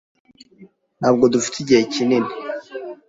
Ntabwo dufite igihe kinini.